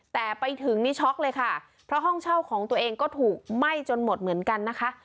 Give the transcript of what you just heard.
แต่ไปถึงนี่ช็อกเลยค่ะเพราะห้องเช่าของตัวเองก็ถูกไหม้จนหมดเหมือนกันนะคะ